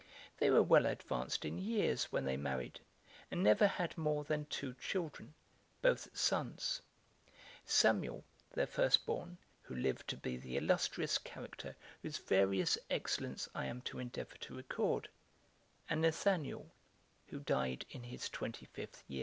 They were well advanced in years when they married, and never had more than two children, both sons; Samuel, their first born, who lived to be the illustrious character whose various excellence I am to endeavour to record, and Nathanael, who died in his twenty fifth year.